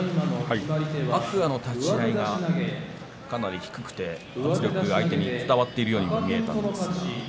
天空海の立ち合い、かなり低くて相手に力が伝わっているように見えました。